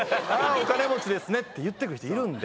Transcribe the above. お金持ちですねって言って来る人いるんで。